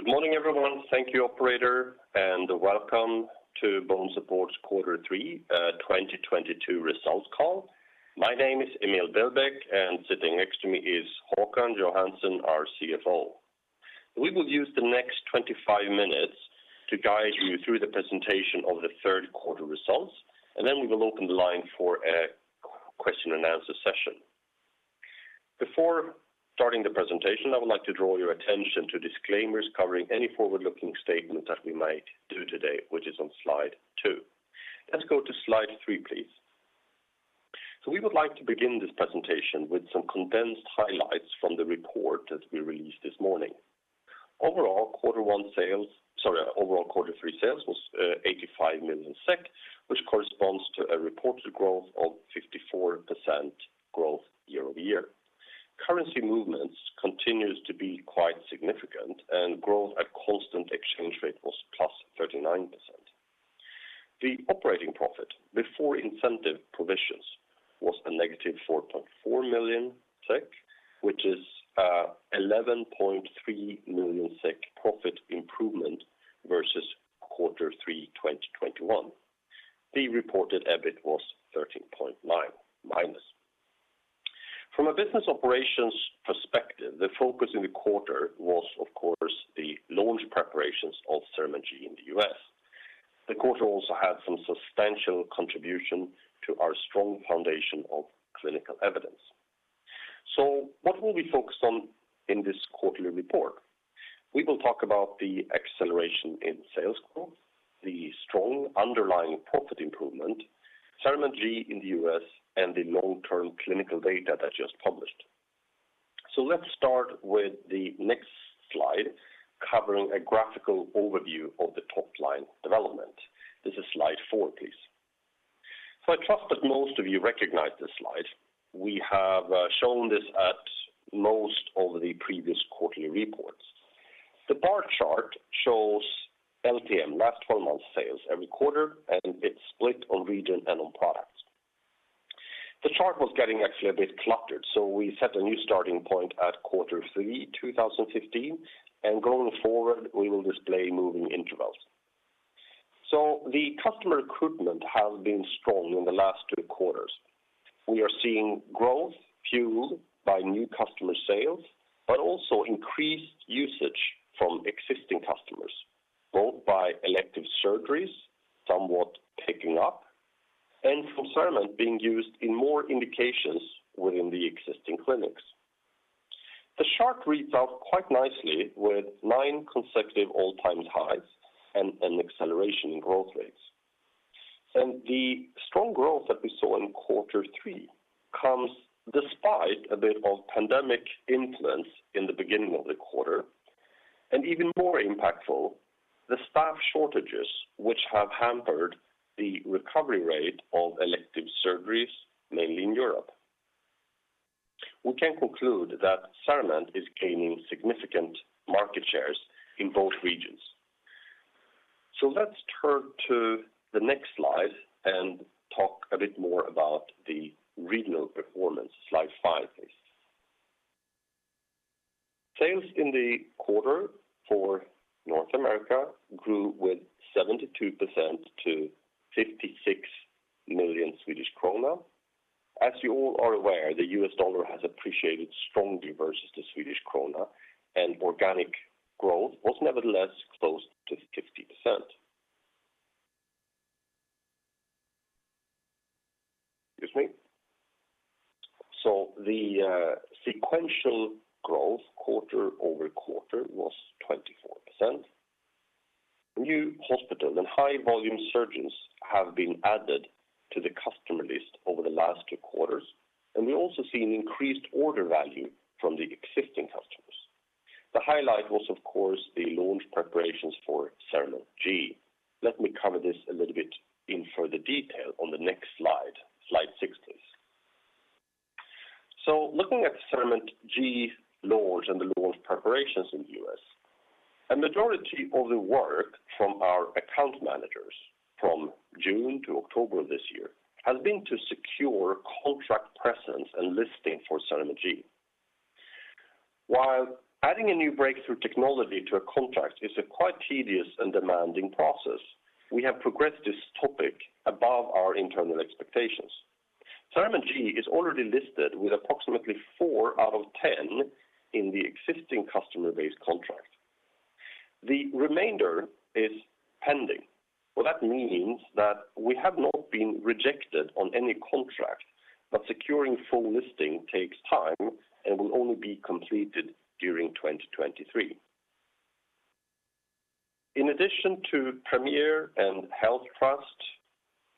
Good morning, everyone. Thank you operator, and welcome to BONESUPPORT Q3 2022 results call. My name is Emil Billbäck, and sitting next to me is Håkan Johansson, our CFO. We will use the next 25 minutes to guide you through the presentation of the Q3 results, and then we will open the line for a question and answer session. Before starting the presentation, I would like to draw your attention to disclaimers covering any forward-looking statement that we might do today, which is on slide two. Let's go to slide three, please. We would like to begin this presentation with some condensed highlights from the report that we released this morning. Sorry, overall Q3 sales was 85 million SEK, which corresponds to a reported growth of 54% year-over-year. Currency movements continue to be quite significant, and growth at constant exchange rate was +39%. The operating profit before incentive provisions was -4.4 million SEK, which is 11.3 million SEK profit improvement versus Q3 2021. The reported EBIT was -13.9 million. From a business operations perspective, the focus in the quarter was of course the launch preparations of CERAMENT G in the U.S. The quarter also had some substantial contribution to our strong foundation of clinical evidence. What will we focus on in this quarterly report? We will talk about the acceleration in sales growth, the strong underlying profit improvement, CERAMENT G in the U.S., and the long-term clinical data that just published. Let's start with the next slide, covering a graphical overview of the top line development. This is slide 4, please. I trust that most of you recognize this slide. We have shown this at most over the previous quarterly reports. The bar chart shows LTM, last twelve months sales every quarter, and it's split on region and on products. The chart was getting actually a bit cluttered, so we set a new starting point at Q3 2015, and going forward, we will display moving intervals. The customer recruitment has been strong in the last two quarters. We are seeing growth fueled by new customer sales, but also increased usage from existing customers, both by elective surgeries, somewhat picking up, and from CERAMENT being used in more indications within the existing clinics. The chart reads out quite nicely with 9 consecutive all-time highs and an acceleration in growth rates. The strong growth that we saw in Q3 comes despite a bit of pandemic influence in the beginning of the quarter, and even more impactful, the staff shortages, which have hampered the recovery rate of elective surgeries, mainly in Europe. We can conclude that CERAMENT is gaining significant market shares in both regions. Let's turn to the next slide and talk a bit more about the regional performance. Slide five, please. Sales in the quarter for North America grew with 72% to 56 million Swedish krona. As you all are aware, the US dollar has appreciated strongly versus the Swedish krona, and organic growth was nevertheless close to 50%. Excuse me. The sequential growth quarter-over-quarter was 24%. New hospital and high volume surgeons have been added to the customer list over the last two quarters, and we also see an increased order value from the existing customers. The highlight was of course, the launch preparations for CERAMENT G. Let me cover this a little bit in further detail on the next slide 6 please. Looking at CERAMENT G launch and the launch preparations in the U.S., a majority of the work from our account managers from June to October this year has been to secure contract presence and listing for CERAMENT G. While adding a new breakthrough technology to a contract is a quite tedious and demanding process, we have progressed this topic above our internal expectations. CERAMENT G is already listed with approximately 4 out of 10 in the existing customer base contract. The remainder is pending. Well, that means that we have not been rejected on any contract, but securing full listing takes time and will only be completed during 2023. In addition to Premier and HealthTrust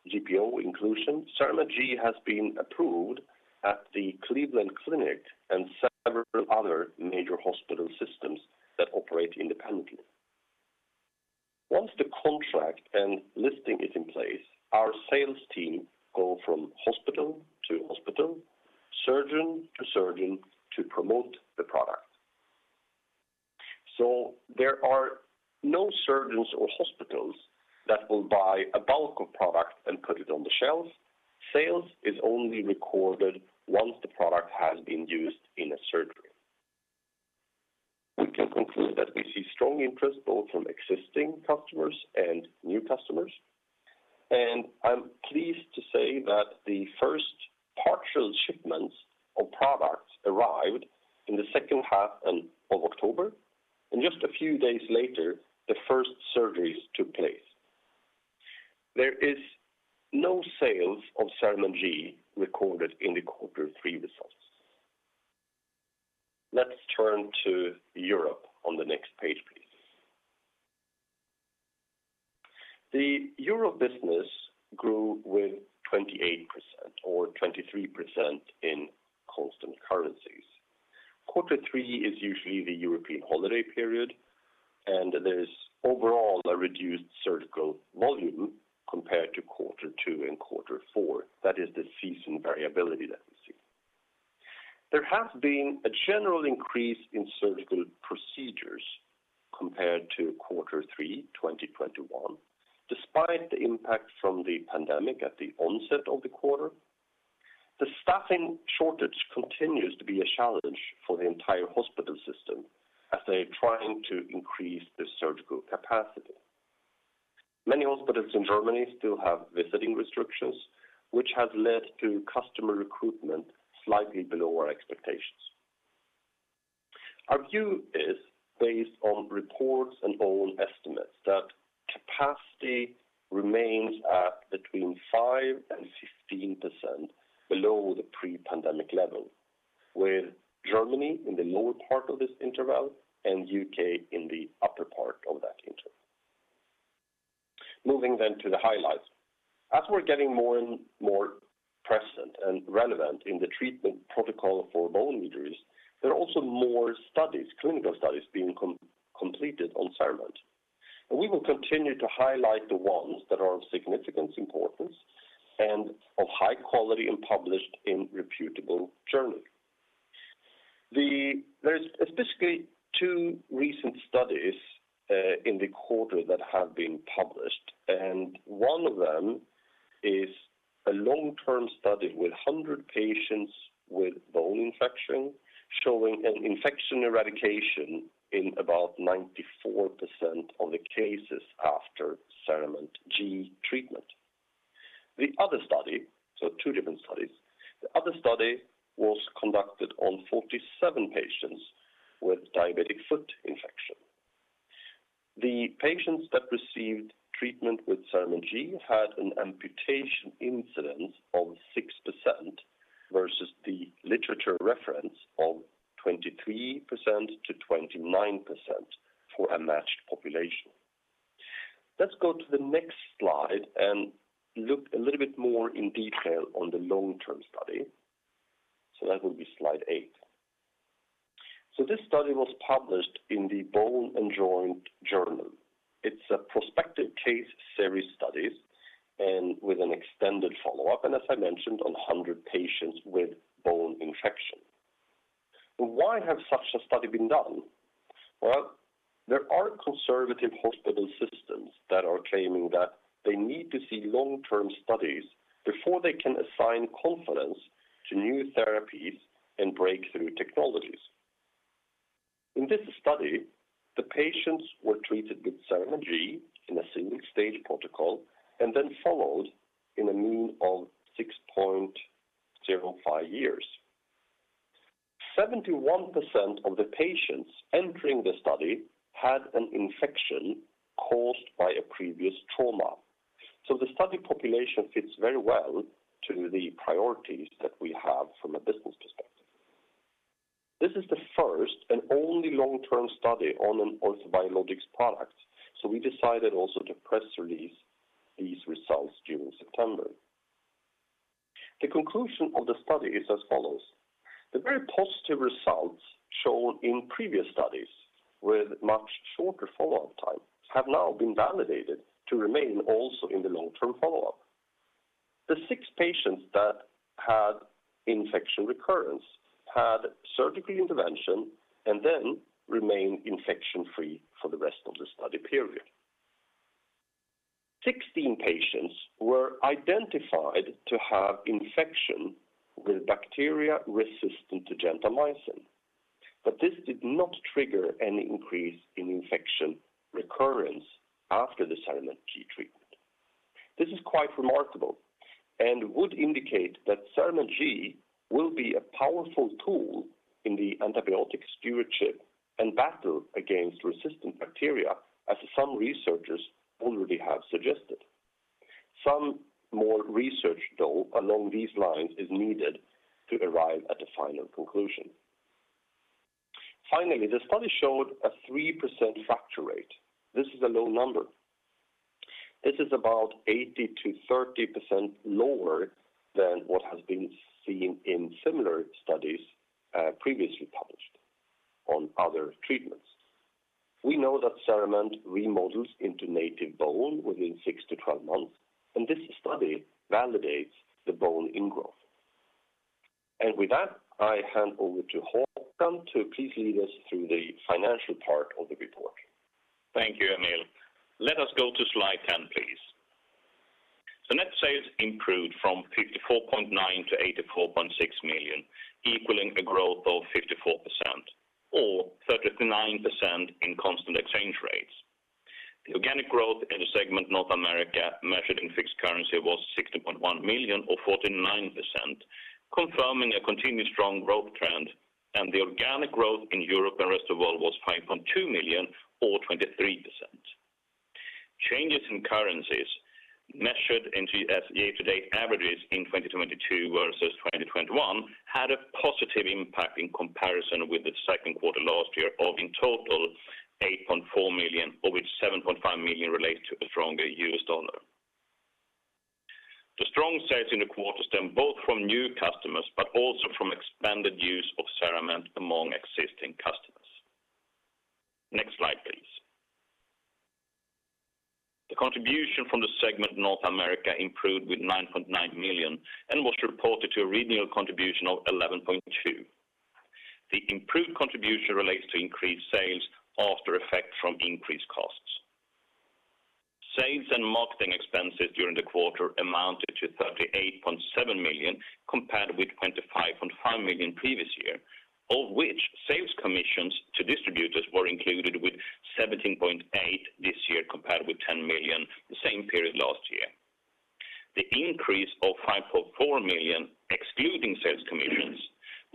GPO inclusion, CERAMENT G has been approved at the Cleveland Clinic and several other major hospital systems that operate independently. Once the contract and listing is in place, our sales team go from hospital to hospital, surgeon to surgeon, to promote the product. There are no surgeons or hospitals that will buy a bulk of product and put it on the shelf. Sales is only recorded once the product has been used in a surgery. We can conclude that we see strong interest both from existing customers and new customers. I'm pleased to say that the first partial shipments of products arrived in the second half of October, and just a few days later, the first surgeries took place. There is no sales of CERAMENT G recorded in the Q3 results. Let's turn to Europe on the next page, please. The Europe business grew with 28% or 23% in constant currencies. Q3 is usually the European holiday period, and there's overall a reduced surgical volume compared to Q2 and Q4. That is the seasonal variability that we see. There has been a general increase in surgical procedures compared to Q3, 2021, despite the impact from the pandemic at the onset of the quarter. The staffing shortage continues to be a challenge for the entire hospital system as they are trying to increase the surgical capacity. Many hospitals in Germany still have visiting restrictions, which has led to customer recruitment slightly below our expectations. Our view is based on reports and own estimates that capacity remains at between 5% and 15% below the pre-pandemic level, with Germany in the lower part of this interval and UK in the upper part of that interval. Moving to the highlights. As we're getting more and more present and relevant in the treatment protocol for bone injuries, there are also more studies, clinical studies being completed on CERAMENT. We will continue to highlight the ones that are of significant importance and of high quality and published in reputable journals. There's basically two recent studies in the quarter that have been published, and one of them is a long-term study with 100 patients with bone infection showing an infection eradication in about 94% of the cases after CERAMENT G treatment. The other study was conducted on 47 patients with diabetic foot infection. The patients that received treatment with CERAMENT G had an amputation incidence of 6% versus the literature reference of 23%-29% for a matched population. Let's go to the next slide and look a little bit more in detail on the long-term study. That will be slide 8. This study was published in The Bone & Joint Journal. It's a prospective case series studies and with an extended follow-up, and as I mentioned, on 100 patients with bone infection. Why has such a study been done? Well, there are conservative hospital systems that are claiming that they need to see long-term studies before they can assign confidence to new therapies and breakthrough technologies. In this study, the patients were treated with CERAMENT G in a single-stage protocol and then followed in a mean of 6.05 years. 71% of the patients entering the study had an infection caused by a previous trauma. The study population fits very well to the priorities that we have from a business perspective. This is the first and only long-term study on an orthobiologics product. We decided also to press release these results during September. The conclusion of the study is as follows. The very positive results shown in previous studies with much shorter follow-up time have now been validated to remain also in the long-term follow-up. The 6 patients that had infection recurrence had surgical intervention and then remained infection-free for the rest of the study period. 16 patients were identified to have infection with bacteria resistant to gentamicin, but this did not trigger any increase in infection recurrence after the CERAMENT G treatment. This is quite remarkable and would indicate that CERAMENT G will be a powerful tool in the antibiotic stewardship and battle against resistant bacteria, as some researchers already have suggested. Some more research, though, along these lines is needed to arrive at a final conclusion. Finally, the study showed a 3% fracture rate. This is a low number. This is about 80%-30% lower than what has been seen in similar studies, previously published on other treatments. We know that CERAMENT remodels into native bone within six to 12 months, and this study validates the bone ingrowth. With that, I hand over to Håkan to please lead us through the financial part of the report. Thank you, Emil. Let us go to slide 10, please. Net sales improved from 54.9 million to 84.6 million, equaling a growth of 54% or 39% in constant exchange rates. The organic growth in the segment North America measured in fixed currency was 60.1 million or 49%, confirming a continued strong growth trend, and the organic growth in Europe and rest of world was 5.2 million or 23%. Changes in currencies measured into as year-to-date averages in 2022 versus 2021 had a positive impact in comparison with the Q2 last year of in total 8.4 million, of which 7.5 million relates to a stronger U.S. dollar. The strong sales in the quarter stem both from new customers but also from expanded use of CERAMENT among existing customers. Next slide, please. The contribution from the segment North America improved with 9.9 million and was reported to a regional contribution of 11.2 million. The improved contribution relates to increased sales after effect from increased costs. Sales and marketing expenses during the quarter amounted to 38.7 million, compared with 25.5 million previous year, of which sales commissions to distributors were included with 17.8 million this year, compared with 10 million the same period last year. The increase of 5.4 million excluding sales commissions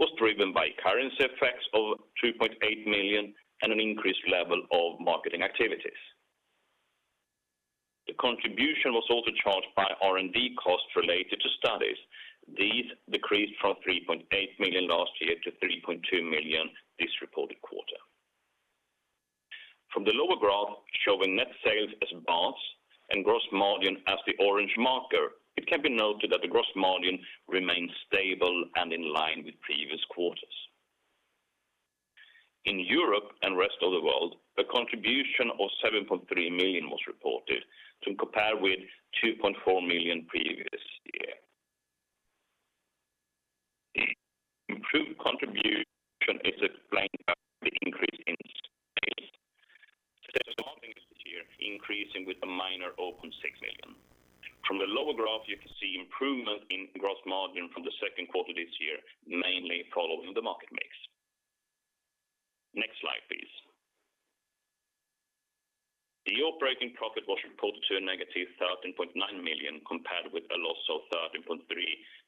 was driven by currency effects of 2.8 million and an increased level of marketing activities. The contribution was also charged by R&D costs related to studies. These decreased from 3.8 million last year to 3.2 million this reported quarter. From the lower graph showing net sales as bars and gross margin as the orange marker, it can be noted that the gross margin remains stable and in line with previous quarters. In Europe and rest of the world, a contribution of 7.3 million was reported compared with 2.4 million previous year. Improved contribution is explained by the increase in sales. Sales this year increasing by 4.9 million. From the lower graph, you can see improvement in gross margin from the Q2 this year, mainly following the market mix. Next slide, please. The operating profit was reported at -13.9 million compared with a loss of 13.3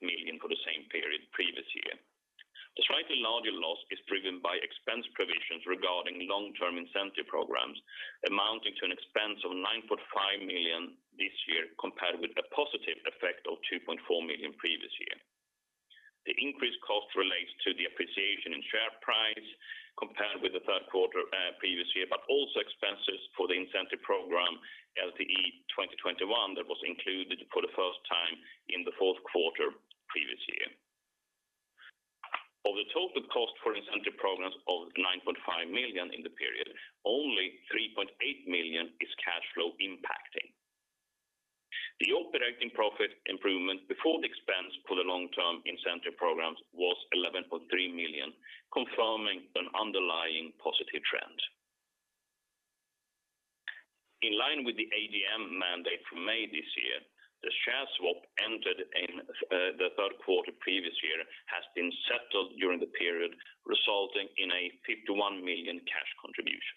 million for the same period previous year. The slightly larger loss is driven by expense provisions regarding long-term incentive programs amounting to an expense of 9.5 million this year, compared with a positive effect of 2.4 million previous year. The increased cost relates to the appreciation in share price compared with the Q3 previous year, but also expenses for the incentive program LTI 2021 that was included for the first time in the Q4 previous year. Of the total cost for incentive programs of 9.5 million in the period, only 3.8 million is cash flow impacting. The operating profit improvement before the expense for the long-term incentive programs was 11.3 million, confirming an underlying positive trend. In line with the AGM mandate from May this year, the share swap entered in the Q3 previous year has been settled during the period, resulting in a 51 million cash contribution.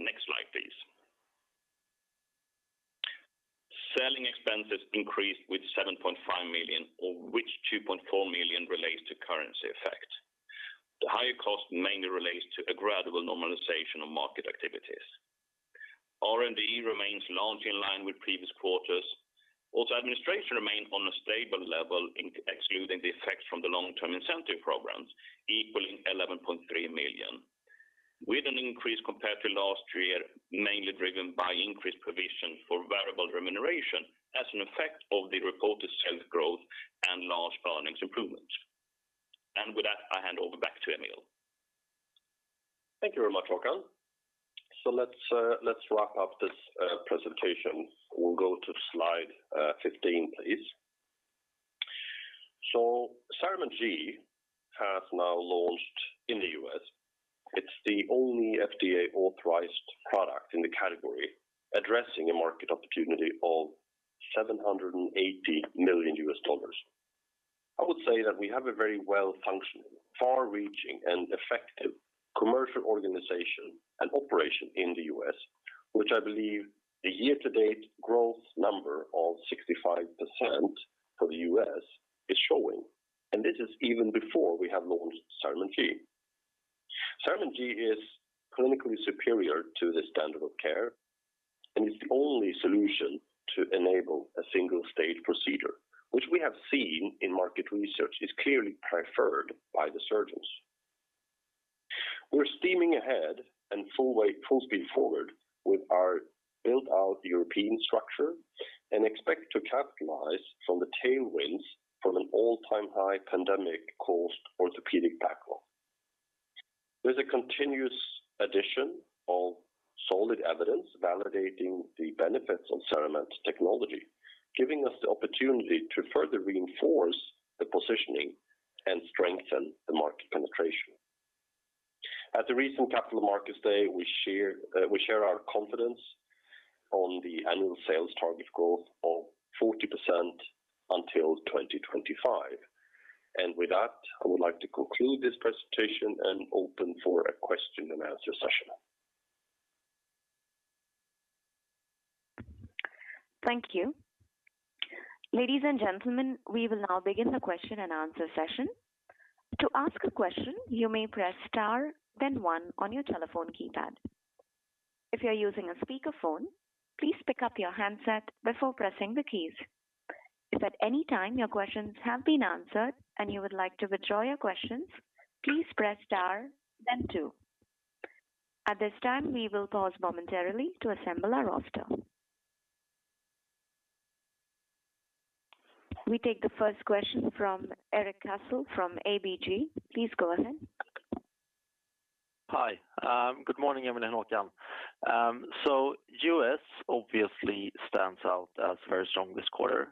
Next slide, please. Selling expenses increased with 7.5 million, of which 2.4 million relates to currency effect. The higher cost mainly relates to a gradual normalization of market activities. R&D remains large in line with previous quarters. Administration remained on a stable level excluding the effects from the long-term incentive programs, equaling 11.3 million, with an increase compared to last year mainly driven by increased provision for variable remuneration as an effect of the reported sales growth and large earnings improvement. With that, I hand over back to Emil. Thank you very much, Håkan. Let's wrap up this presentation. We'll go to slide 15, please. CERAMENT G has now launched in the U.S. It's the only FDA-authorized product in the category addressing a market opportunity of $780 million. I would say that we have a very well-functioning, far-reaching, and effective commercial organization and operation in the U.S., which I believe the year-to-date growth number of 65% for the U.S. is showing. This is even before we have launched CERAMENT G. CERAMENT G is clinically superior to the standard of care, and it's the only solution to enable a single-stage procedure, which we have seen in market research is clearly preferred by the surgeons. We're full steam ahead, full speed forward with our built-out European structure and expect to capitalize on the tailwinds from an all-time high pandemic-caused orthopedic backlog. There's a continuous addition of solid evidence validating the benefits of CERAMENT technology, giving us the opportunity to further reinforce the positioning and strengthen the market penetration. At the recent Capital Markets Day, we share our confidence on the annual sales target growth of 40% until 2025. With that, I would like to conclude this presentation and open for a question and answer session. Thank you. Ladies and gentlemen, we will now begin the question-and-answer session. To ask a question, you may press Star then One on your telephone keypad. If you're using a speakerphone, please pick up your handset before pressing the keys. If at any time your questions have been answered and you would like to withdraw your questions, please press Star then Two. At this time, we will pause momentarily to assemble our roster. We take the first question from Erik Cassel from ABG. Please go ahead. Hi. Good morning, Emil and Håkan. U.S. obviously stands out as very strong this quarter.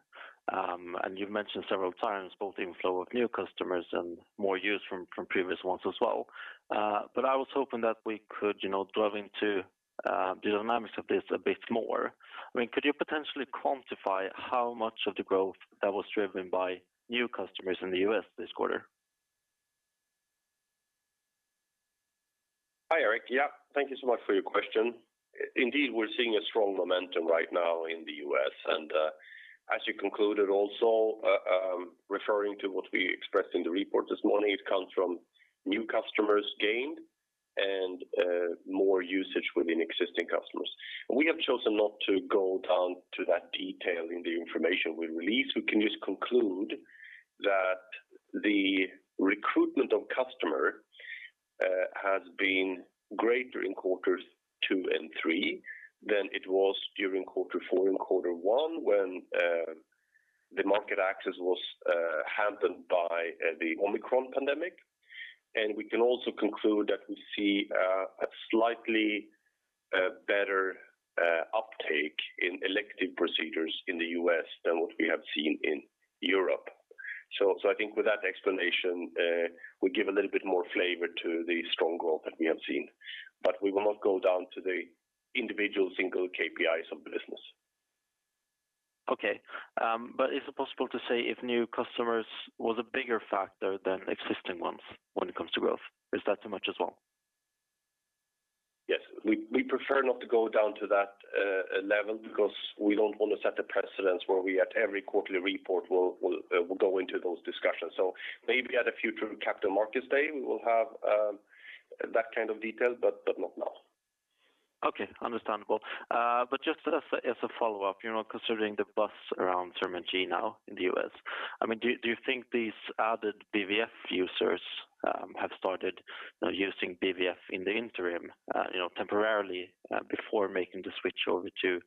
You've mentioned several times both inflow of new customers and more use from previous ones as well. I was hoping that we could, you know, delve into the dynamics of this a bit more. I mean, could you potentially quantify how much of the growth that was driven by new customers in the U.S. this quarter? Hi, Erik. Yeah. Thank you so much for your question. Indeed, we're seeing a strong momentum right now in the US. As you concluded also, referring to what we expressed in the report this morning, it comes from new customers gained and more usage within existing customers. We have chosen not to go down to that detail in the information we release. We can just conclude that the recruitment of customer has been greater in Q2 and Q3 than it was during Q4 and Q1, when the market access was hampered by the Omicron pandemic. We can also conclude that we see a slightly better uptake in elective procedures in the US than what we have seen in Europe. I think with that explanation, we give a little bit more flavor to the strong growth that we have seen. We will not go down to the individual single KPIs of the business. Is it possible to say if new customers was a bigger factor than existing ones when it comes to growth? Is that too much as well? Yes. We prefer not to go down to that level because we don't want to set a precedent where we at every quarterly report will go into those discussions. Maybe at a future Capital Markets Day, we will have that kind of detail, but not now. Okay. Understandable. Just as a follow-up, you know, considering the buzz around CERAMENT G now in the U.S., I mean, do you think these added BVF users have started, you know, using BVF in the interim, you know, temporarily before making the switch over to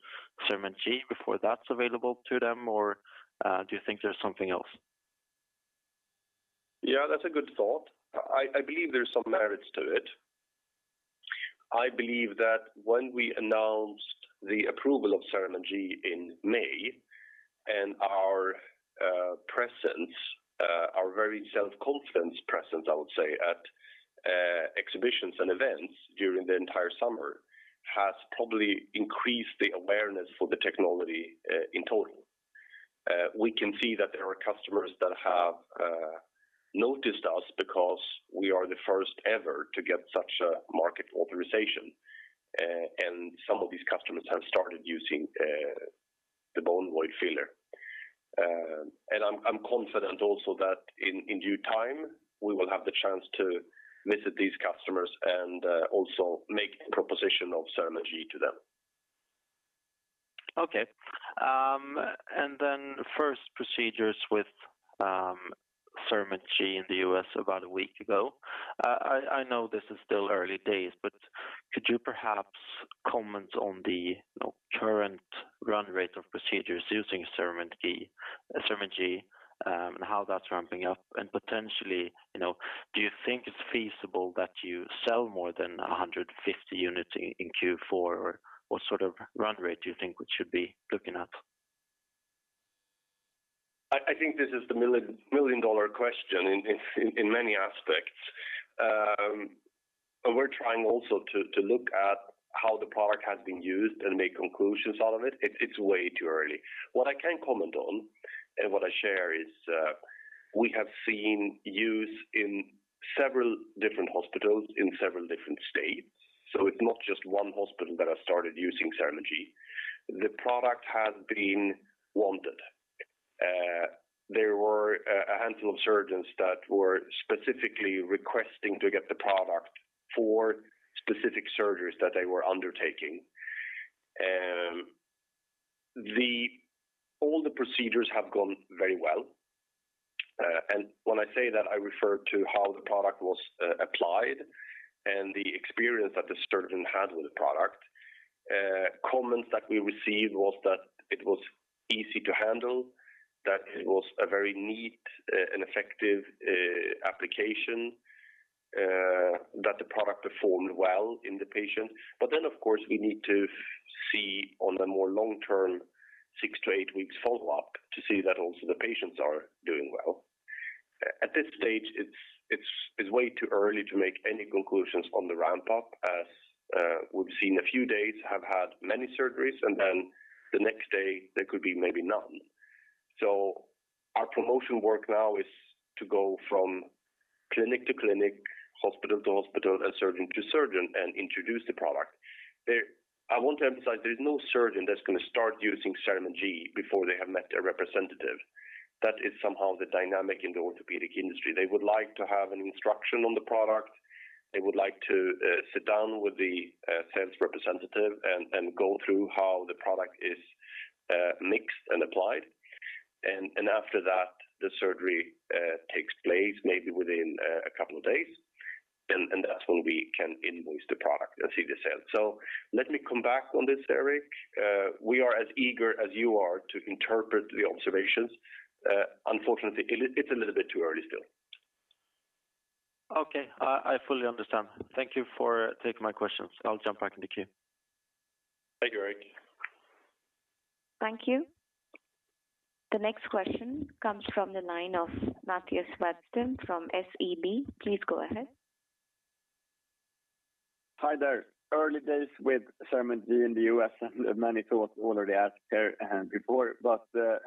CERAMENT G before that's available to them? Or do you think there's something else? Yeah, that's a good thought. I believe there's some merits to it. I believe that when we announced the approval of CERAMENT G in May and our presence, our very self-confident presence, I would say, at exhibitions and events during the entire summer has probably increased the awareness for the technology in total. We can see that there are customers that have noticed us because we are the first ever to get such a market authorization. Some of these customers have started using the bone void filler. I'm confident also that in due time, we will have the chance to visit these customers and also make the proposition of CERAMENT G to them. Okay. First procedures with CERAMENT G in the U.S. about a week ago. I know this is still early days, but could you perhaps comment on the current run rate of procedures using CERAMENT G and how that's ramping up? Potentially, do you think it's feasible that you sell more than 150 units in Q4? What sort of run rate do you think we should be looking at? I think this is the million-dollar question in many aspects. We're trying also to look at how the product has been used and make conclusions out of it. It's way too early. What I can comment on and what I share is, we have seen use in several different hospitals in several different states, so it's not just one hospital that has started using CERAMENT G. The product has been wanted. There were a handful of surgeons that were specifically requesting to get the product for specific surgeries that they were undertaking. All the procedures have gone very well. When I say that, I refer to how the product was applied and the experience that the surgeon had with the product. Comments that we received was that it was easy to handle, that it was a very neat and effective application, that the product performed well in the patient. Of course, we need to see on a more long-term, 6-8 weeks follow-up to see that also the patients are doing well. At this stage, it's way too early to make any conclusions on the ramp-up as we've seen a few days have had many surgeries, and then the next day there could be maybe none. Our promotion work now is to go from clinic to clinic, hospital to hospital, and surgeon to surgeon and introduce the product. I want to emphasize there's no surgeon that's gonna start using CERAMENT G before they have met their representative. That is somehow the dynamic in the orthopedic industry. They would like to have an instruction on the product. They would like to sit down with the sales representative and go through how the product is mixed and applied. And after that, the surgery takes place maybe within a couple of days. And that's when we can invoice the product and see the sales. Let me come back on this, Eric. We are as eager as you are to interpret the observations. Unfortunately, it's a little bit too early still. Okay. I fully understand. Thank you for taking my questions. I'll jump back in the queue. Thank you, Eric. Thank you. The next question comes from the line of Mattias Vadsten from SEB. Please go ahead. Hi there. Early days with CERAMENT G in the U.S. and many thoughts already asked here, before.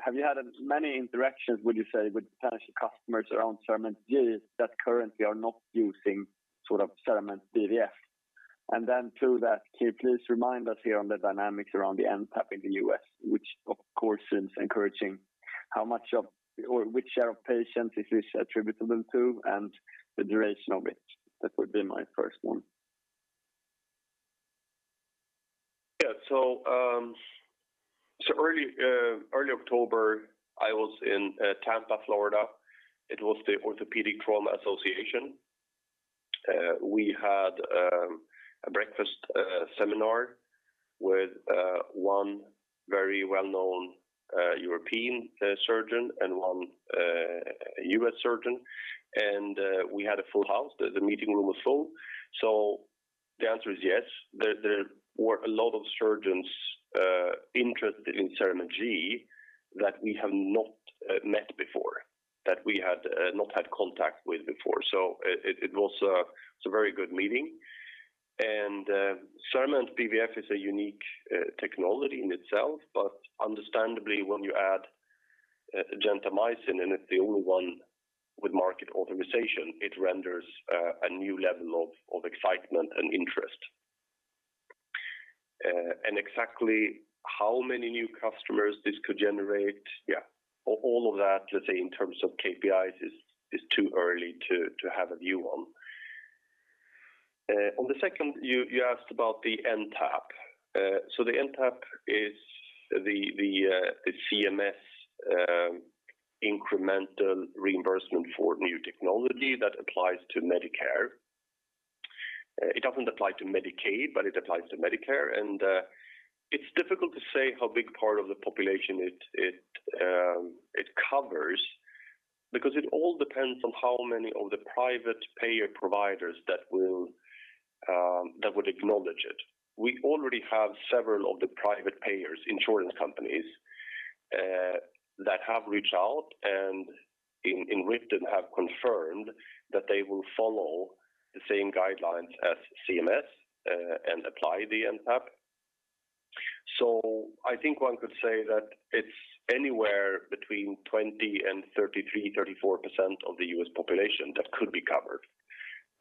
Have you had many interactions, would you say, with potential customers around CERAMENT G that currently are not using sort of CERAMENT BVF? And then to that, can you please remind us here on the dynamics around the NTAP in the U.S., which of course is encouraging how much of or which share of patients this is attributable to and the duration of it? That would be my first one. Yeah. Early October, I was in Tampa, Florida. It was the Orthopaedic Trauma Association. We had a breakfast seminar with one very well-known European surgeon and one US surgeon. We had a full house. The meeting room was full. The answer is yes. There were a lot of surgeons interested in CERAMENT G that we have not met before, that we had not had contact with before. It was a very good meeting. CERAMENT BVF is a unique technology in itself. But understandably, when you add gentamicin and it's the only one with market authorization, it renders a new level of excitement and interest. Exactly how many new customers this could generate, all of that, let's say in terms of KPIs is too early to have a view on. On the second, you asked about the NTAP. The NTAP is the CMS incremental reimbursement for new technology that applies to Medicare. It doesn't apply to Medicaid, but it applies to Medicare. It's difficult to say how big part of the population it covers because it all depends on how many of the private payer providers that would acknowledge it. We already have several of the private payers, insurance companies that have reached out and in writing have confirmed that they will follow the same guidelines as CMS and apply the NTAP. I think one could say that it's anywhere between 20% and 33%-34% of the U.S. population that could be covered.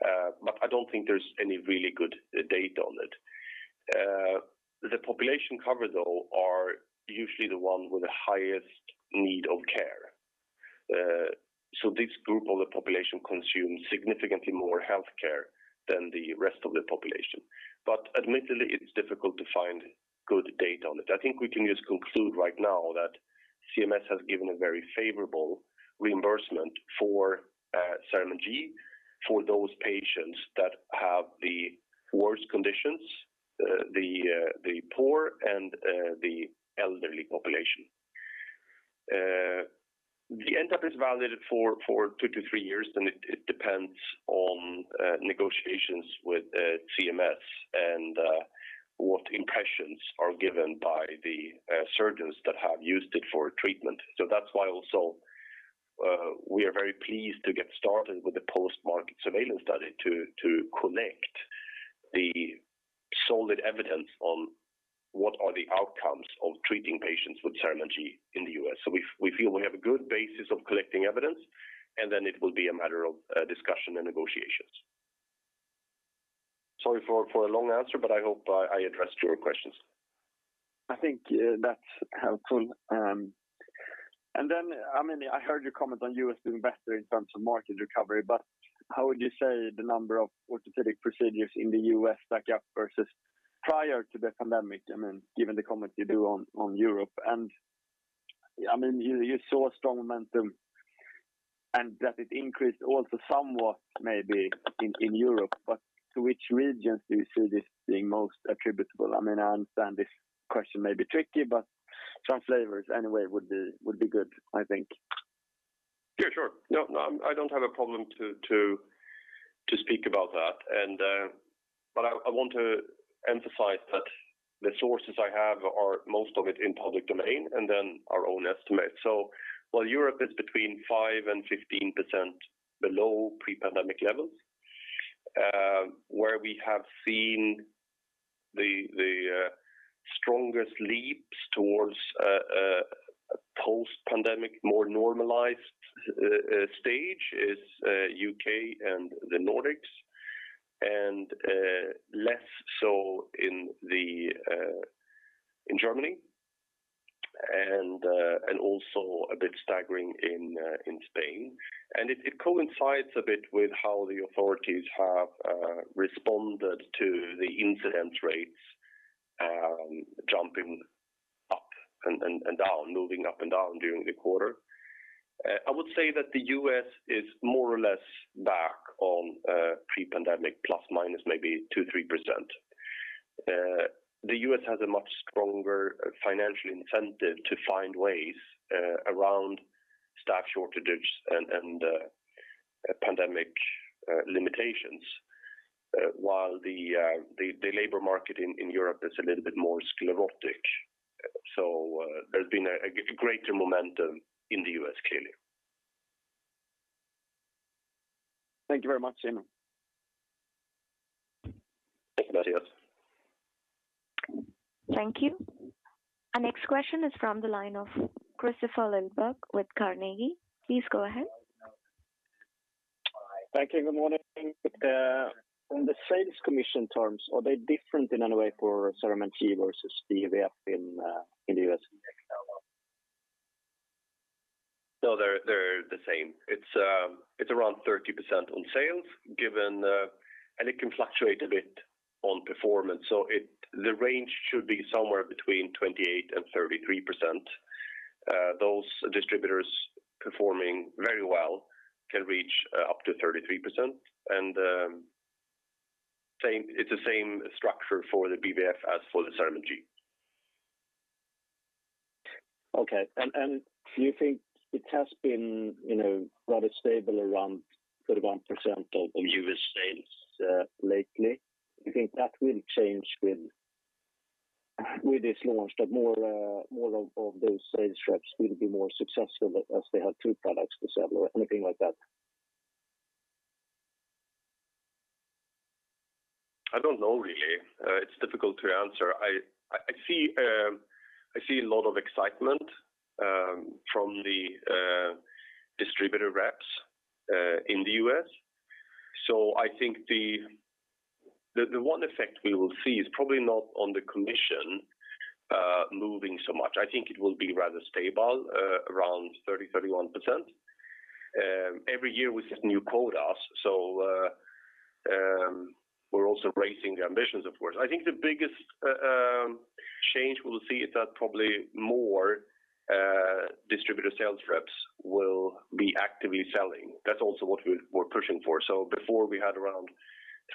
I don't think there's any really good data on it. The population covered though are usually the ones with the highest need of care. This group of the population consumes significantly more healthcare than the rest of the population. Admittedly, it's difficult to find good data on it. I think we can just conclude right now that CMS has given a very favorable reimbursement for CERAMENT G for those patients that have the worst conditions, the poor and the elderly population. The NTAP is valid for 2-3 years, and it depends on negotiations with CMS and what impressions are given by the surgeons that have used it for treatment. That's why we are very pleased to get started with the post-market surveillance study to connect the solid evidence on what are the outcomes of treating patients with CERAMENT G in the U.S. We feel we have a good basis of collecting evidence, and then it will be a matter of discussion and negotiations. Sorry for a long answer, but I hope I addressed your questions. I think that's helpful. I mean, I heard your comment on U.S. doing better in terms of market recovery, but how would you say the number of orthopedic procedures in the U.S. stack up versus prior to the pandemic? I mean, given the comment you did on Europe, and I mean, you saw strong momentum and that it increased also somewhat maybe in Europe. To which regions do you see this being most attributable? I mean, I understand this question may be tricky, but some flavors anyway would be good, I think. Yeah, sure. No, I don't have a problem to speak about that. I want to emphasize that the sources I have are most of it in public domain and then our own estimates. While Europe is between 5% and 15% below pre-pandemic levels, where we have seen the strongest leaps towards a post-pandemic more normalized stage is U.K. and the Nordics, and less so in Germany and also a bit staggering in Spain. It coincides a bit with how the authorities have responded to the incidence rates jumping up and down, moving up and down during the quarter. I would say that the U.S. is more or less back on pre-pandemic ±2-3%. The U.S. has a much stronger financial incentive to find ways around staff shortages and pandemic limitations while the labor market in Europe is a little bit more sclerotic. There's been a greater momentum in the U.S., clearly. Thank you very much, Emil. Thank you. Bye. Thank you. Our next question is from the line of Kristofer Liljeberg with Carnegie. Please go ahead. Hi. Thank you. Good morning. On the sales commission terms, are they different in any way for CERAMENT G versus BVF in the U.S. and Canada? No, they're the same. It's around 30% on sales given. It can fluctuate a bit on performance. The range should be somewhere between 28%-33%. Those distributors performing very well can reach up to 33%. It's the same structure for the BVF as for the CERAMENT G. Okay. Do you think it has been, you know, rather stable around 31% of U.S. sales lately? Do you think that will change with this launch that more of those sales reps will be more successful as they have two products to sell or anything like that? I don't know really. It's difficult to answer. I see a lot of excitement from the distributor reps in the U.S. I think the one effect we will see is probably not on the commission moving so much. I think it will be rather stable around 30-31%. Every year we set new quotas. We're also raising the ambitions, of course. I think the biggest change we'll see is that probably more distributor sales reps will be actively selling. That's also what we're pushing for. Before we had around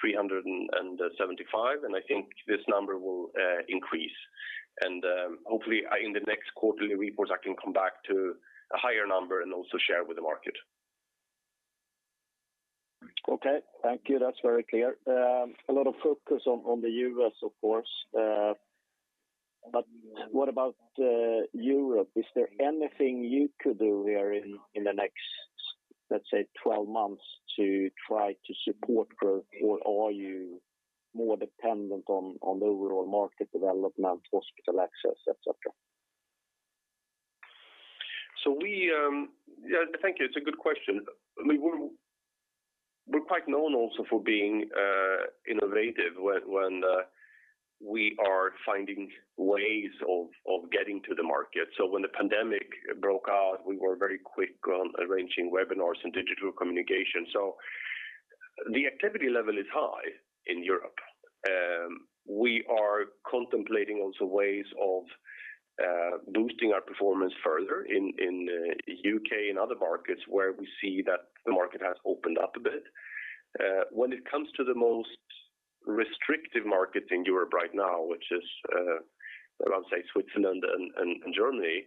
375, and I think this number will increase. Hopefully in the next quarterly report, I can come back to a higher number and also share with the market. Okay. Thank you. That's very clear. A lot of focus on the U.S. of course. What about Europe? Is there anything you could do there in the next, let's say, 12 months to try to support growth, or are you more dependent on the overall market development, hospital access, et cetera? Thank you. It's a good question. I mean, we're quite known also for being innovative when we are finding ways of getting to the market. When the pandemic broke out, we were very quick on arranging webinars and digital communication. The activity level is high in Europe. We are contemplating also ways of boosting our performance further in UK and other markets where we see that the market has opened up a bit. When it comes to the most restrictive markets in Europe right now, which is around, say, Switzerland and Germany,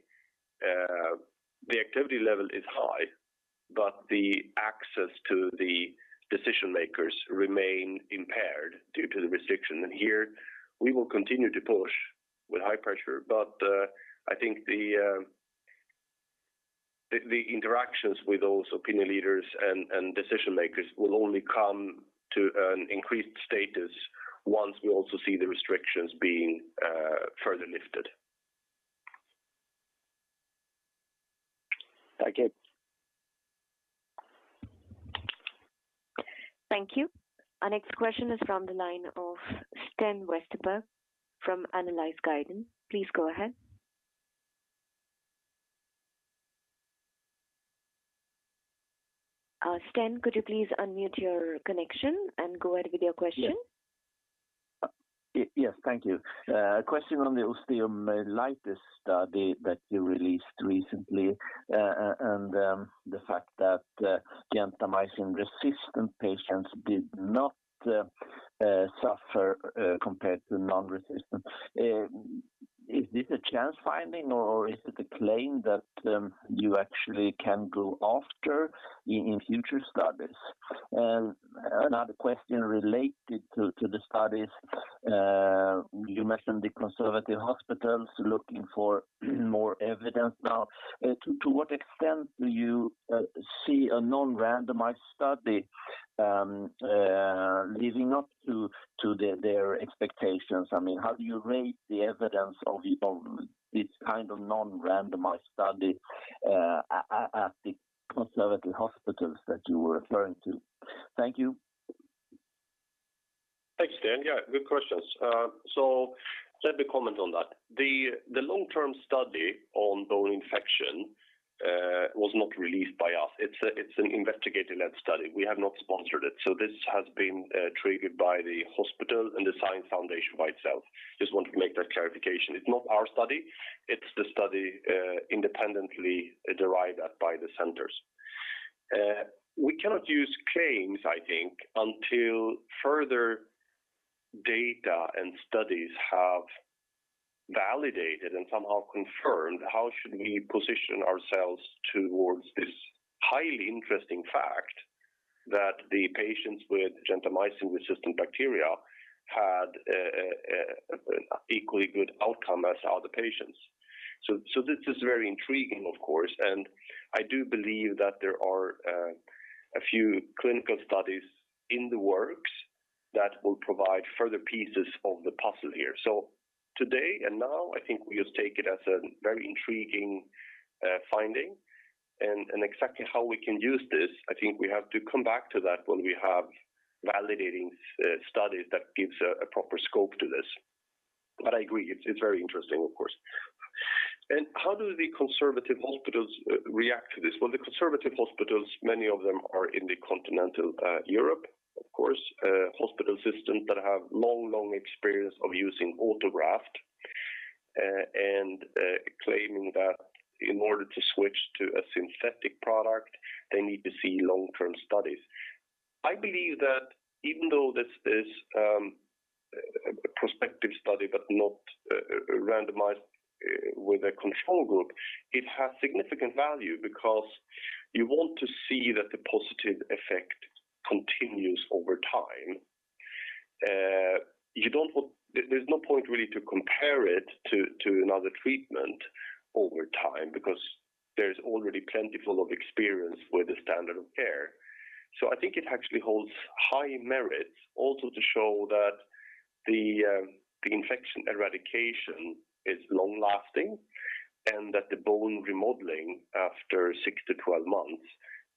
the activity level is high, but the access to the decision makers remain impaired due to the restriction. Here we will continue to push with high pressure. I think the interactions with those opinion leaders and decision makers will only come to an increased status once we also see the restrictions being further lifted. Thank you. Thank you. Our next question is from the line of Sten Westerberg from Analysguiden. Please go ahead. Sten, could you please unmute your connection and go ahead with your question? Yes, thank you. A question on the osteomyelitis study that you released recently, and the fact that gentamicin-resistant patients did not suffer compared to non-resistant. Is this a chance finding or is it a claim that you actually can go after in future studies? Another question related to the studies. You mentioned the conservative hospitals looking for more evidence now. To what extent do you see a non-randomized study leading up to their expectations? I mean, how do you rate the evidence of this kind of non-randomized study at the conservative hospitals that you were referring to? Thank you. Thanks, Dan. Yeah, good questions. Let me comment on that. The long-term study on bone infection was not released by us. It's an investigator-led study. We have not sponsored it. This has been treated by the hospital and the science foundation by itself. Just wanted to make that clarification. It's not our study. It's the study independently derived at by the centers. We cannot use claims, I think, until further data and studies have validated and somehow confirmed how should we position ourselves towards this highly interesting fact that the patients with gentamicin-resistant bacteria had an equally good outcome as other patients. This is very intriguing, of course, and I do believe that there are a few clinical studies in the works that will provide further pieces of the puzzle here. Today and now, I think we just take it as a very intriguing finding and exactly how we can use this, I think we have to come back to that when we have validating studies that gives a proper scope to this. I agree, it's very interesting, of course. How do the conservative hospitals react to this? Well, the conservative hospitals, many of them are in the continental Europe, of course, hospital systems that have long experience of using autograft and claiming that in order to switch to a synthetic product, they need to see long-term studies. I believe that even though this is a prospective study but not randomized with a control group, it has significant value because you want to see that the positive effect continues over time. There's no point really to compare it to another treatment over time because there's already plentiful of experience with the standard of care. I think it actually holds high merit also to show that the infection eradication is long-lasting and that the bone remodeling after 6-12 months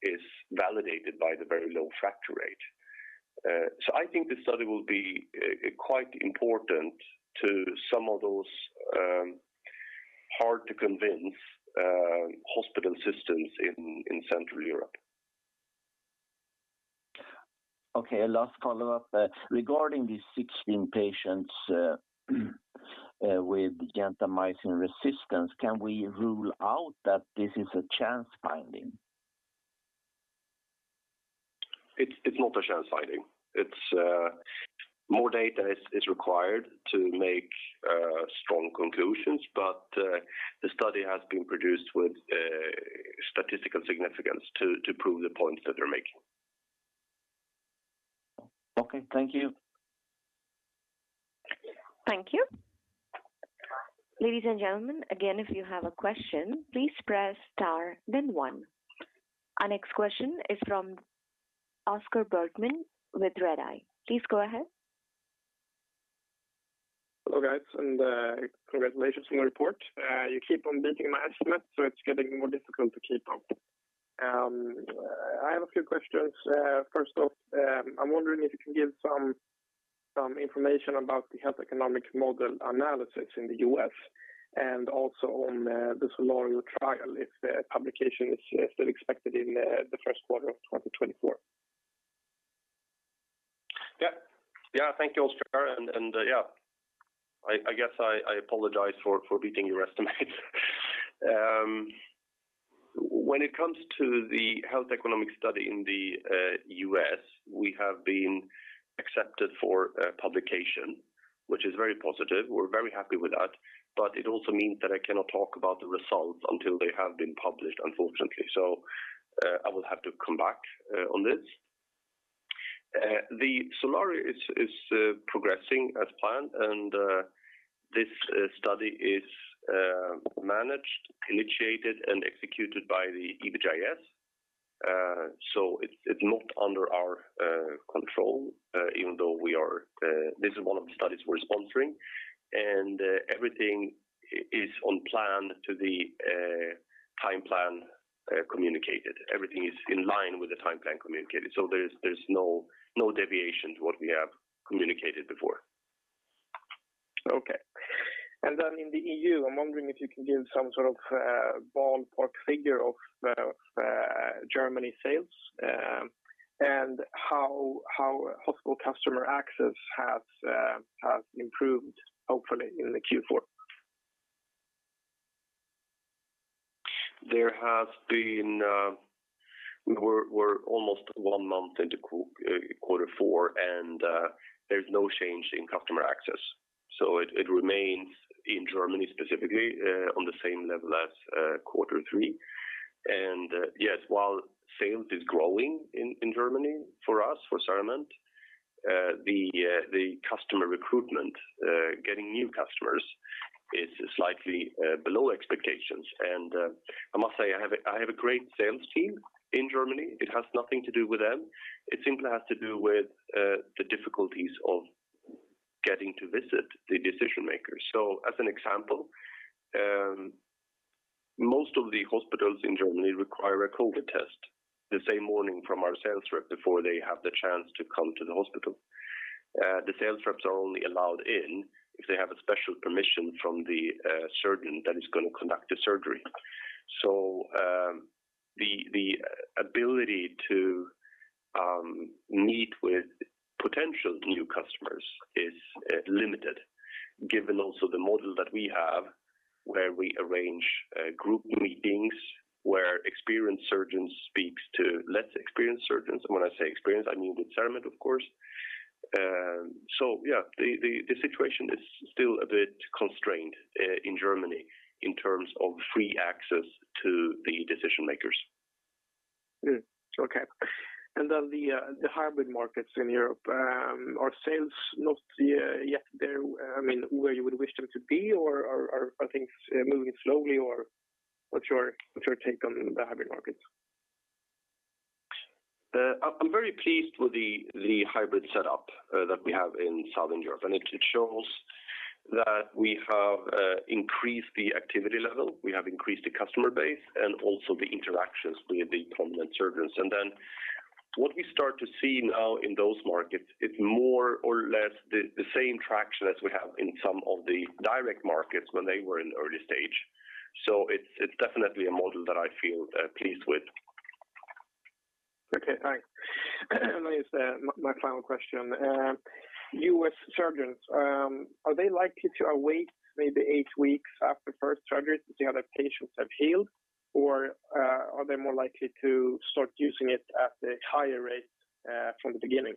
is validated by the very low fracture rate. I think the study will be quite important to some of those hard-to-convince hospital systems in Central Europe. Okay, last follow-up. Regarding the 16 patients with gentamicin resistance, can we rule out that this is a chance finding? It's not a chance finding. More data is required to make strong conclusions, but the study has been produced with statistical significance to prove the points that they're making. Okay, thank you. Thank you. Ladies and gentlemen, again, if you have a question, please press star then one. Our next question is from Oscar Bergman with Redeye. Please go ahead. Hello, guys, and congratulations on the report. You keep on beating my estimates, so it's getting more difficult to keep up. I have a few questions. First off, I'm wondering if you can give some information about the health economic model analysis in the U.S. and also on the SOLARIO trial, if the publication is still expected in the Q1 of 2024. Yeah. Yeah. Thank you, Oscar. I guess I apologize for beating your estimates. When it comes to the health economic study in the U.S., we have been accepted for publication, which is very positive. We're very happy with that, but it also means that I cannot talk about the results until they have been published, unfortunately. I will have to come back on this. The SOLARIO is progressing as planned and this study is managed, initiated, and executed by the EBJIS. It's not under our control, even though this is one of the studies we're sponsoring. Everything is on plan to the time plan communicated. Everything is in line with the time plan communicated. There's no deviation to what we have communicated before. Okay. In the EU, I'm wondering if you can give some sort of ballpark figure of Germany sales, and how hospital customer access has improved, hopefully in the Q4. There has been, we're almost one month into Q4 and, there's no change in customer access. It remains in Germany specifically on the same level as Q3. Yes, while sales is growing in Germany for us, for CERAMENT, the customer recruitment, getting new customers is slightly below expectations. I must say I have a great sales team in Germany. It has nothing to do with them. It simply has to do with the difficulties of getting to visit the decision makers. As an example, most of the hospitals in Germany require a COVID test the same morning from our sales rep before they have the chance to come to the hospital. The sales reps are only allowed in if they have a special permission from the surgeon that is gonna conduct the surgery. The ability to meet with potential new customers is limited given also the model that we have where we arrange group meetings where experienced surgeons speaks to less experienced surgeons. When I say experienced, I mean with CERAMENT, of course. The situation is still a bit constrained in Germany in terms of free access to the decision makers. Okay. The hybrid markets in Europe, are sales not yet there, I mean, where you would wish them to be or are things moving slowly or what's your take on the hybrid markets? I'm very pleased with the hybrid setup that we have in Southern Europe. It shows that we have increased the activity level. We have increased the customer base and also the interactions with the prominent surgeons. What we start to see now in those markets, it's more or less the same traction as we have in some of the direct markets when they were in early stage. It's definitely a model that I feel pleased with. Okay, thanks. I guess, my final question. U.S. surgeons, are they likely to await maybe eight weeks after first surgery to see how the patients have healed? Or, are they more likely to start using it at a higher rate, from the beginning?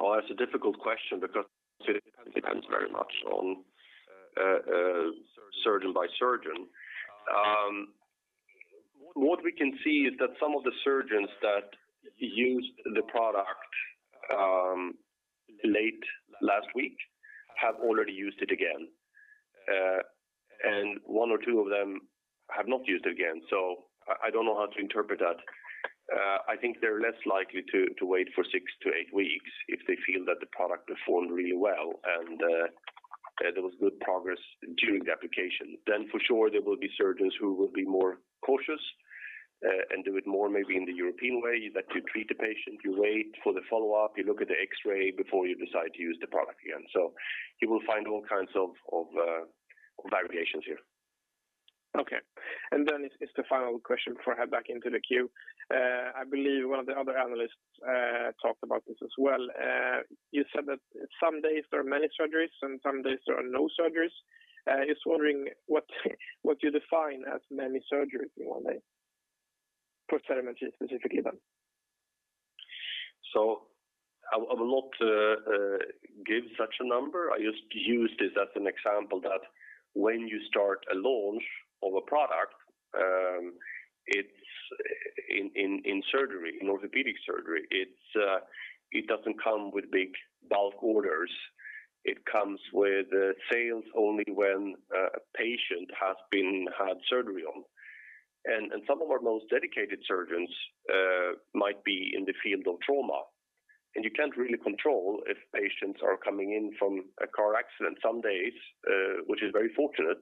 Oh, that's a difficult question because it depends very much on surgeon by surgeon. What we can see is that some of the surgeons that used the product late last week have already used it again. One or two of them have not used it again. I don't know how to interpret that. I think they're less likely to wait for 6-8 weeks if they feel that the product performed really well and there was good progress during the application. For sure there will be surgeons who will be more cautious and do it more maybe in the European way that you treat the patient, you wait for the follow-up, you look at the X-ray before you decide to use the product again. You will find all kinds of variations here. Okay. It's the final question before I head back into the queue. I believe one of the other analysts talked about this as well. You said that some days there are many surgeries and some days there are no surgeries. Just wondering what you define as many surgeries in one day for CERAMENT specifically then? I will not give such a number. I just used this as an example that when you start a launch of a product, it's in surgery, in orthopedic surgery, it doesn't come with big bulk orders. It comes with sales only when a patient had surgery on. Some of our most dedicated surgeons might be in the field of trauma, and you can't really control if patients are coming in from a car accident some days, which is very fortunate.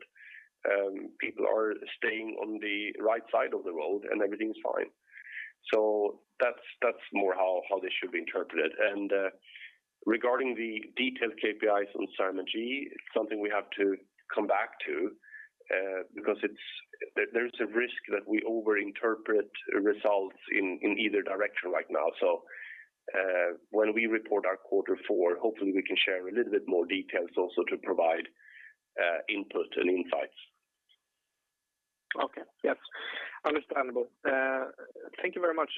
People are staying on the right side of the road, and everything's fine. That's more how this should be interpreted. Regarding the detailed KPIs on CERAMENT G, it's something we have to come back to, because there's a risk that we over interpret results in either direction right now. When we report our Q4, hopefully we can share a little bit more details also to provide input and insights. Okay. Yes. Understandable. Thank you very much.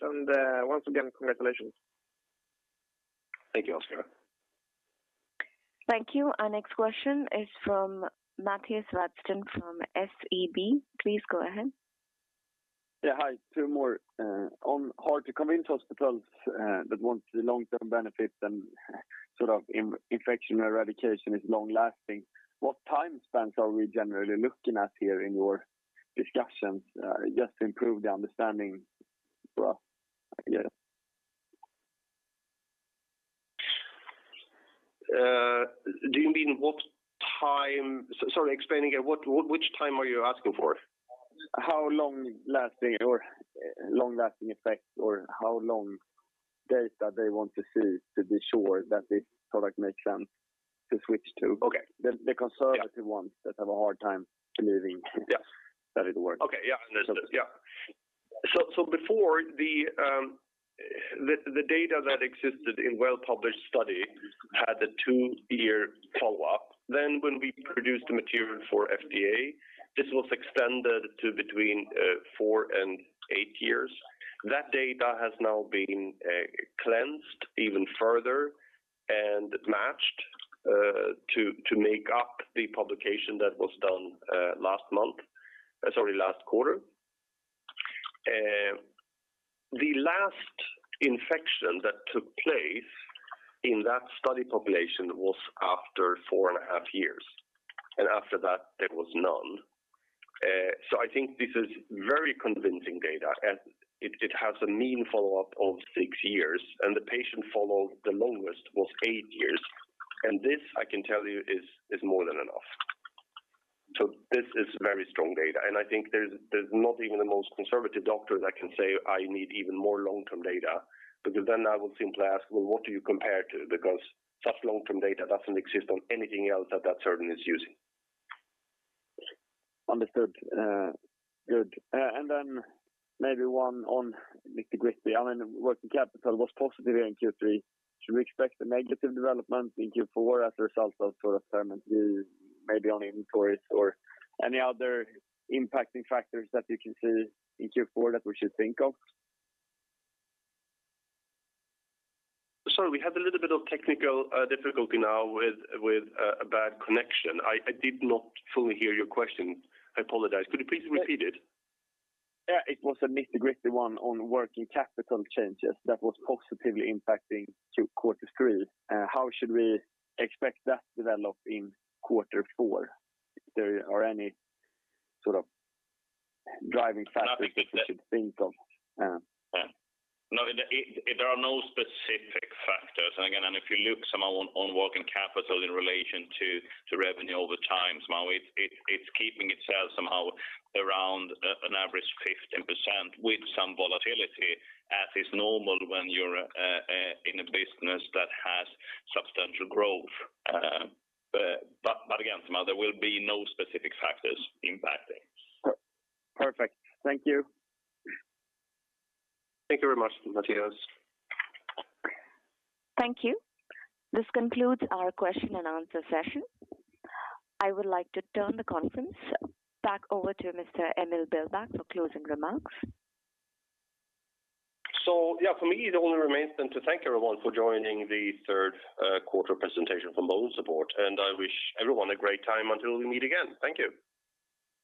Once again, congratulations. Thank you, Oscar. Thank you. Our next question is from Mattias Vadsten from SEB. Please go ahead. Yeah, hi. Two more on how to come into hospitals, but want the long-term benefits and sort of infection eradication is long-lasting. What time spans are we generally looking at here in your discussions? Just to improve the understanding for us, I guess. Do you mean what time? Sorry, explain again, what which time are you asking for? How long-lasting effect or how long data they want to see to be sure that this product makes sense to switch to? Okay. The conservative ones that have a hard time believing. Yes. that it works. Okay. Yeah. Understood. Yeah. Before the data that existed in well-published study had a 2-year follow-up, then when we produced the material for FDA, this was extended to between 4 and 8 years. That data has now been cleansed even further and matched to make up the publication that was done last quarter. The last infection that took place in that study population was after 4.5 years, and after that there was none. I think this is very convincing data, and it has a mean follow-up of 6 years, and the patient followed the longest was 8 years. This, I can tell you, is more than enough. This is very strong data. I think there's not even the most conservative doctors that can say, "I need even more long-term data." Because then I will simply ask, "Well, what do you compare to?" Because such long-term data doesn't exist on anything else that surgeon is using. Understood. Maybe one on nitty-gritty. I mean, working capital was positive in Q3. Should we expect a negative development in Q4 as a result of sort of permanently maybe on inventories or any other impacting factors that you can see in Q4 that we should think of? Sorry, we have a little bit of technical difficulty now with a bad connection. I did not fully hear your question. I apologize. Could you please repeat it? Yeah. It was a nitty-gritty one on working capital changes that was positively impacting through Q3. How should we expect that to develop in Q4? Is there any sort of driving factors that we should think of? No, there are no specific factors. Again, if you look somehow on working capital in relation to revenue over time somehow, it's keeping itself somehow around an average 15% with some volatility as is normal when you're in a business that has substantial growth. Again, somehow there will be no specific factors impacting. Perfect. Thank you. Thank you very much, Mattias. Thank you. This concludes our question and answer session. I would like to turn the conference back over to Mr. Emil Billbäck for closing remarks. Yeah, for me, it only remains then to thank everyone for joining the Q3 presentation from BONESUPPORT. I wish everyone a great time until we meet again. Thank you.